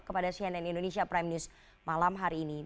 kepada cnn indonesia prime news malam hari ini